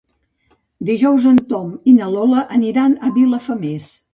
Dijous en Tom i na Lola aniran a Vilafamés.